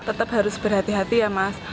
tetap harus berhati hati ya mas